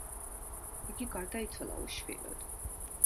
იგი გარდაიცვალა უშვილოდ.